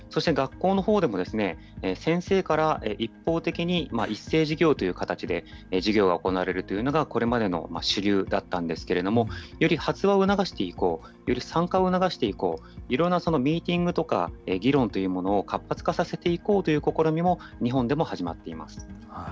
そして学校のほうでも先生から一方的に一斉授業という形で授業が行われるというのが、これまでの主流だったんですけれども、より発話を促していこう、より参加を促して以降、いろんなミーティングとか、議論というものを活発化させていこうという試みも日本でも始まっています。